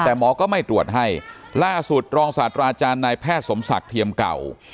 แต่หมอก็ไม่ตรวจให้ล่าสุดรองศาสตราอาจารย์นายแพทย์สมศักดิ์เทียมเก่า